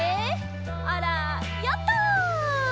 あらヨット！